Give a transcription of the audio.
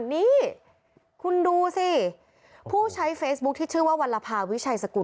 นี่คุณดูสิผู้ใช้เฟซบุ๊คที่ชื่อว่าวัลภาวิชัยสกุล